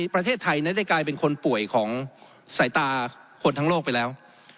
ใครได้กลายเป็นคนป่วยของสายตาคนทั้งโลกไปแล้ว